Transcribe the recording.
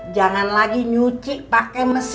jangan lagi nyuci pakai mesin